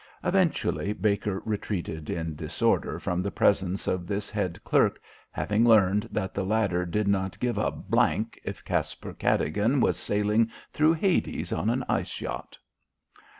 Eventually Baker retreated in disorder from the presence of this head clerk, having learned that the latter did not give a if Caspar Cadogan were sailing through Hades on an ice yacht.